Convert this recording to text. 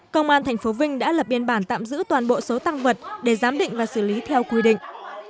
công an tp vinh đã lập biên bản tạm giữ toàn bộ số tăng vật để giám định và xử lý theo quy định